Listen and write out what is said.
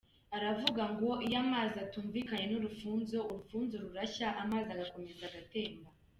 Aravuga ngo “Iyo amazi atumvikanye n’ urufunzo, urufunzo rurashya amazi agakomeza agatemba”.